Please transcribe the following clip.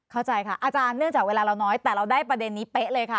เข้าใจค่ะอาจารย์เนื่องจากเวลาเราน้อยแต่เราได้ประเด็นนี้เป๊ะเลยค่ะ